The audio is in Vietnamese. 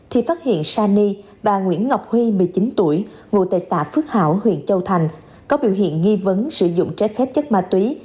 thì phát hiện san ni và nguyễn ngọc huy một mươi chín tuổi ngụ tại xã phước hảo huyện châu thành có biểu hiện nghi vấn sử dụng trái phép chất ma túy